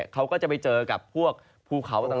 เขาก็จะไปเจอกับพวกภูเขาต่าง